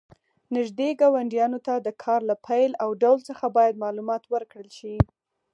نږدې ګاونډیانو ته د کار له پیل او ډول څخه باید معلومات ورکړل شي.